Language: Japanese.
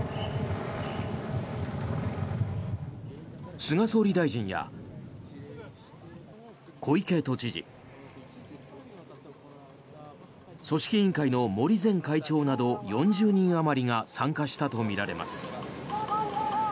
菅総理大臣や小池都知事組織委員会の森前会長など４０人あまりが参加したとみられます。